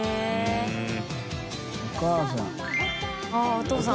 お父さん。